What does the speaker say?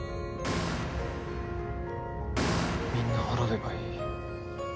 みんな滅べばいい。